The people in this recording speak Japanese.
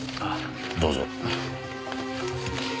どうぞ。